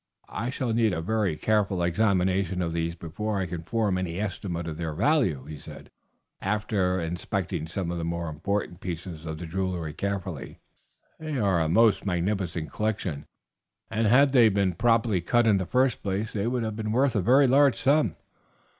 "I shall need a very careful examination of these before I can form any estimate of their value," he said, after inspecting some of the more important pieces of jewelry carefully. "They are a most magnificent collection, and had they been properly cut in the first place they would have been worth a very large sum.